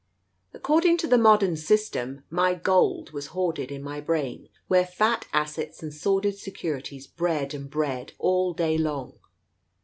Accord ing to the modern system, my gold was hoarded in my brain, where fat assets and sordid securities bred and bred all day long.